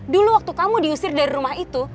dulu waktu kamu diusir dari rumah itu